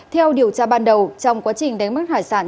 theo điều tra ban đầu trong quá trình đánh bắt hải sản